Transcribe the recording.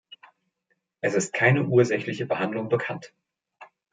Es ist keine ursächliche Behandlung bekannt.